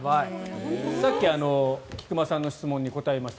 さっき、菊間さんの質問に答えました。